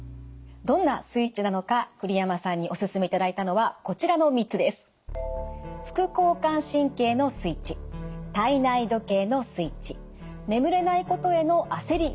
どんなスイッチなのか栗山さんにおすすめいただいたのはこちらの３つです。